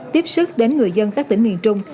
tiếp xúc đến người dân các tỉnh miền trung